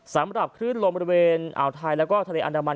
สำหรับคลื่นลมบริเวณอ่าวไทยแล้วก็ทะเลอันดามัน